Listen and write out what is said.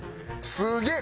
すげえ！